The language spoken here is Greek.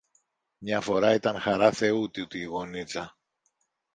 Μια φορά ήταν χαρά Θεού τούτη η γωνίτσα.